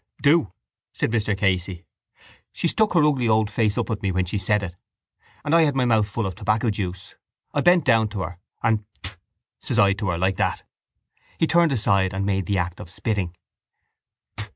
—Do! said Mr Casey. She stuck her ugly old face up at me when she said it and I had my mouth full of tobacco juice. I bent down to her and Phth! says I to her like that. He turned aside and made the act of spitting.